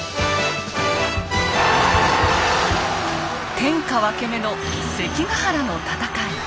天下分け目の関ヶ原の戦い。